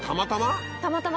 たまたま？